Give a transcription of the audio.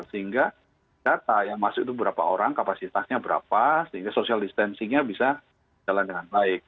sehingga data yang masuk itu berapa orang kapasitasnya berapa sehingga social distancingnya bisa jalan dengan baik